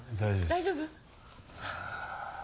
大丈夫？